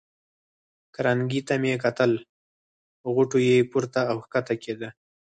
کرنکې ته مې کتل، غوټو یې پورته او کښته کېده.